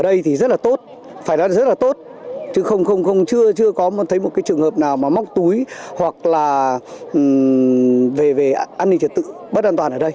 đây thì rất là tốt phải nói rất là tốt chứ không chưa có thấy một cái trường hợp nào mà móc túi hoặc là về an ninh trật tự bất an toàn ở đây